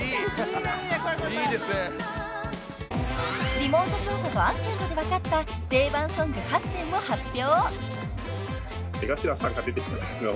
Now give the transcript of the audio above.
［リモート調査とアンケートで分かった定番ソング８選を発表］